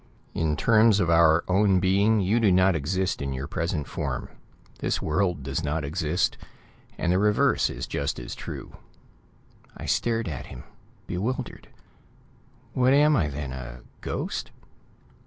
In terms of our own being, you do not exist in your present form. This world does not exist. And the reverse is just as true." I stared at him, bewildered. "What am I, then a ghost?"